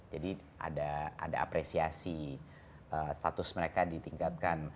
jadi ada apresiasi status mereka ditingkatkan